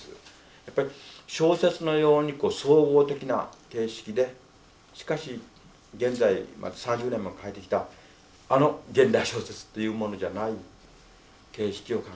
やっぱり小説のように総合的な形式でしかし現在まで３０年も書いてきたあの現代小説というものじゃない形式を考えたいと思ってるんですね。